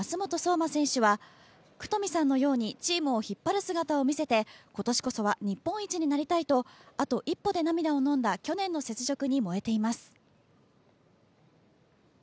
真選手は九冨さんのようにチームを引っ張る姿を見せて今年こそは日本一になりたいとあと一歩で涙をのんだ去年の雪辱に燃えています。